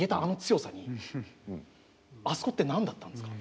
あそこって何だったんですか？